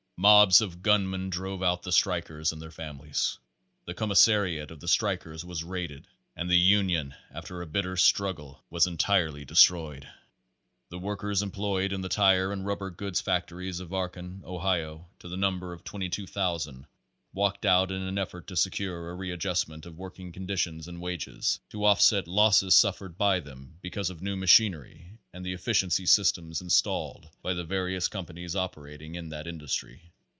Mobs of gunmen drove out the strikers and their families, the commissariat of the strikers was raided and the union after a bitter struggle was entirely de stroyed. The workers employed in the tire and rubber goods factories of Akron, Ohio, to the number of 22,000 walked out in an effort to secure a readjustment of working conditions and wages to offset losses suffered by them because of new machinery and the efficiency systems installed by the various companies operating in that industry.